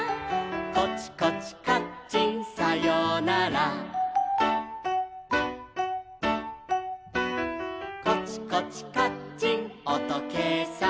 「コチコチカッチンさようなら」「コチコチカッチンおとけいさん」